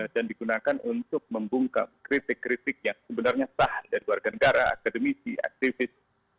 dan digunakan untuk membungkam kritik kritik yang sebenarnya sah dari warga negara akademisi aktivis